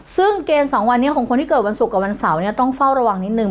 ซึ่งเกณฑ์๒วันนี้ของคนที่เกิดวันศุกร์กับวันเสาร์เนี่ยต้องเฝ้าระวังนิดนึง